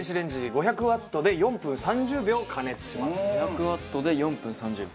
５００ワットで４分３０秒。